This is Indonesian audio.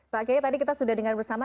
pak kiai tadi kita sudah dengar bersama